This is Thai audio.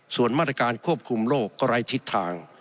ส่วนมาตรการควบคุมโรคก็ไร้ทิศทาง